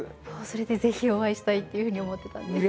それでぜひお会いしたいっていうふうに思ってたんです。